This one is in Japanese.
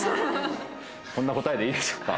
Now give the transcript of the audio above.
こんな答えでいいですか？